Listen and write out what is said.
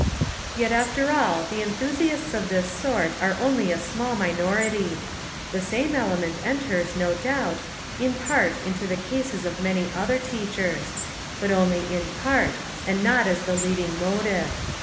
Yet after all the enthusiasts of this sort are only a small minority. The same element en ters, no doubt, in part into the cases of many other teachers — but only in part and not as the leading motive.